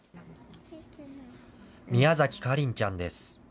宮崎花梨ちゃんです。